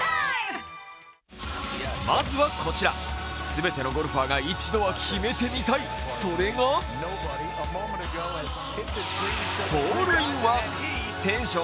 まずはこちら、全てのゴルファーが一度は決めてみたい、それがホールインワン。